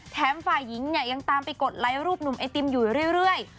ฝ่ายหญิงเนี่ยยังตามไปกดไลค์รูปหนุ่มไอติมอยู่เรื่อย